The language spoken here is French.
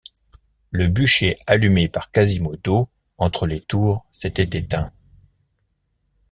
Le bûcher allumé par Quasimodo entre les tours s’était éteint.